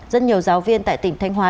rất nhiều giáo viên tại tỉnh thanh hóa